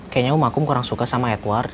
kayaknya umah kum kurang suka sama edward